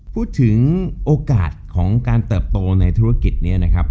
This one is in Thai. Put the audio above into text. พูดถึงโอกาสของการเติบโตในธุรกิจนี้นะครับ